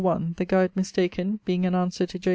The guide mistaken, being an answer to J.